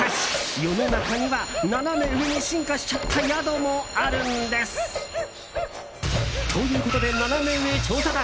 世の中には、ナナメ上に進化しちゃった宿もあるんです。ということでナナメ上調査団